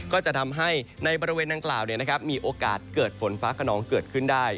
ก็จะทำให้ในบริเวณดังกล่าวมีโอกาสเกิดฝนฟ้าขนองเกิดขึ้นได้